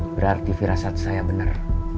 berarti firasat saya benar